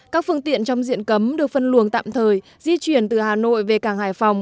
các phương tiện trong diện cấm được phân luồng tạm thời di chuyển từ hà nội về cảng hải phòng